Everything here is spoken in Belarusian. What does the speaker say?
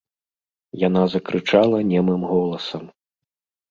Яна закрычала немым голасам.